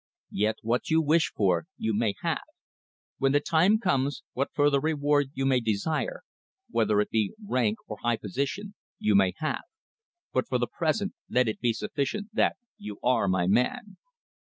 Yet what you wish for you may have. When the time comes, what further reward you may desire, whether it be rank or high position, you may have, but for the present let it be sufficient that you are my man."